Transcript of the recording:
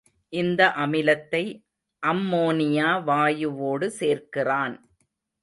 இந்த அமிலத்தை அம்மோனியா வாயுவோடு சேர்க்கிறான்.